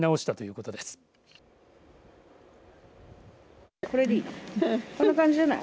こんな感じじゃない。